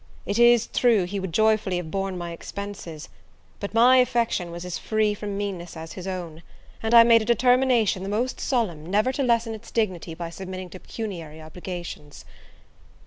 It is true, he would joyfully have borne my expenses: but my affection was as free from meanness as his own; and I made a determination the most solemn, never to lessen its dignity by submitting to pecuniary obligations.